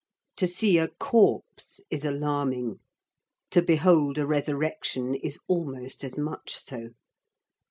To see a corpse is alarming, to behold a resurrection is almost as much so.